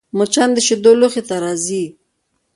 مچان د شیدو لوښي ته راځي